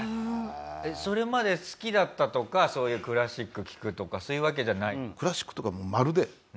それまで好きだったとかそういうクラシック聴くとかそういうわけじゃない？